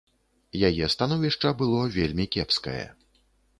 Яе становішча было вельмі кепскае.